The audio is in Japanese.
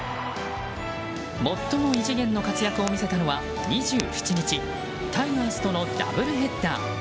最も異次元の活躍を見せたのは２７日タイガースとのダブルヘッダー。